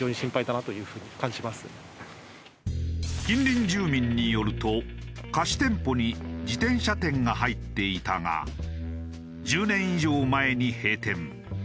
近隣住民によると貸店舗に自転車店が入っていたが１０年以上前に閉店。